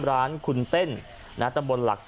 ร้านคุณเต้นตำบลหลัก๓